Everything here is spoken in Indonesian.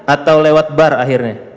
atau lewat bar akhirnya